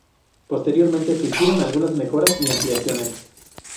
Posteriormente se hicieron algunas mejoras y ampliaciones.